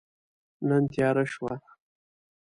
نن تیاره شوه